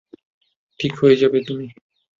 ঠিক হয়ে যাবে তুমি!